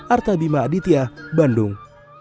artabima aditya bandung